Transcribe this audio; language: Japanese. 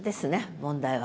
問題は。